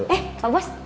eh pak bos